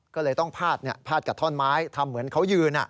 ก็เลยต้องพาดเนี่ยพาดกับท่อนไม้ทำเหมือนเขายืนอ่ะ